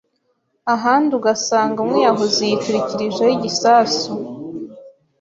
ahandi ugasanga umwiyahuzi yiturikirijeho igisasu